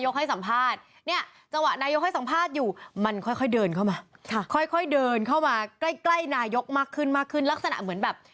ค่อยเดินเข้ามาค่อยเดินเข้ามาใกล้นายกมาขึ้นลักษณะเหมือนแบบ